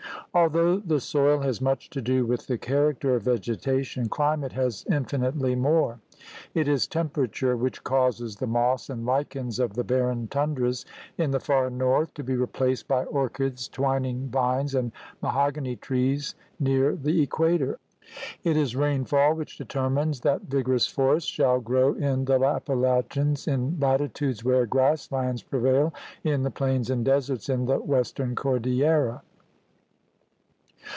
Although the soil has much to do with the character of vegetation, climate has infinitely more. It is temperature which causes the moss and lichens of the barren tundras in the far north to be replaced by orchids, twining vines, and mahogany trees near the equator. It is rain fall which determines that vigorous forests shall grow in the Appalachians in latitudes where grass lands prevail in the plains and deserts in the western cordillera.